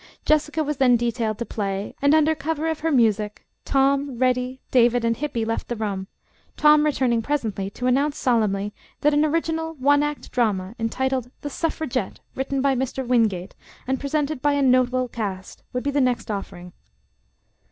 Jessica was then detailed to play, and under cover of her music, Tom, Reddy, David and Hippy left the room, Tom returning presently to announce solemnly that an original one act drama, entitled "The Suffragette," written by Mr. Wingate and presented by a notable cast, would be the next offering.